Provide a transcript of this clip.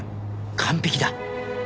完璧だ